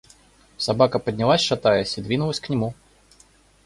Собака поднялась шатаясь и двинулась к нему.